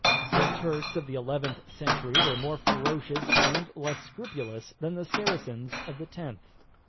The Turks of the eleventh century were more ferocious and less scrupulous than the Saracens of the tenth.